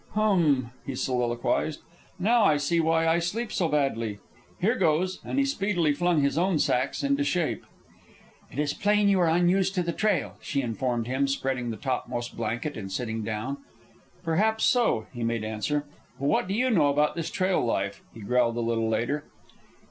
"Hum!" he soliloquized. "Now I see why I sleep so badly. Here goes!" And he speedily flung his own sacks into shape. "It is plain you are unused to the trail," she informed him, spreading the topmost blanket and sitting down. "Perhaps so," he made answer. "But what do you know about this trail life?" he growled a little later.